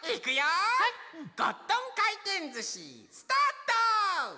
ゴットンかいてんずしスタート！